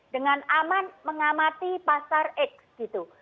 dengan aman mengamati pasar x gitu